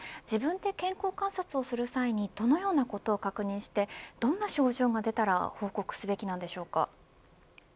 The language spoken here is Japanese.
自分で健康観察をする際にどのようなことを確認してどんな症状が出たら報告すべきなんでしょうか。